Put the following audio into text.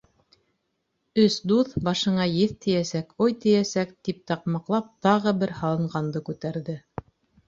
Өс дуҫ: «Башына еҫ тейәсәк, ой, тейәсәк» тип таҡмаҡлап тағы бер һалынғанды күтәрҙе.